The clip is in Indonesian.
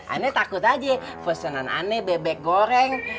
anda takut aja pesanan aneh bebek goreng